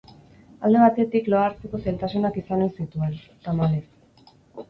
Alde batetik loa hartzeko zailtasunak izan ohi zituen, tamalez.